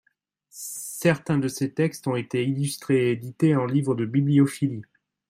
Certains de ses textes ont été illustrés et édités en livres de bibliophilie.